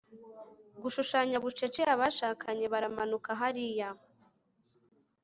Gushushanya bucece abashakanye baramanuka hariya